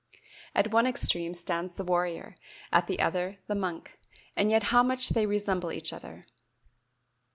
At one extreme stands the warrior, at the other the monk, and yet how much they resemble each other.